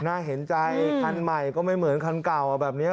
น่าเห็นใจคันใหม่ก็ไม่เหมือนคันเก่าแบบนี้